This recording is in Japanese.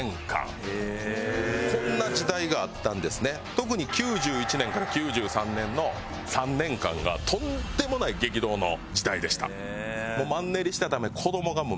特に９１年から９３年の３年間がとんでもない激動の時代でした。